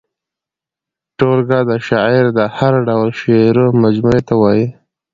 ټولګه د شاعر د هر ډول شعرو مجموعې ته وايي.